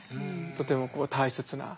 とても大切な言葉。